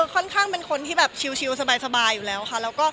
ค่อนข้างเป็นคนชิ้วสบายอยู่แล้วค่ะ